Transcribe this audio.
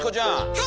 はい！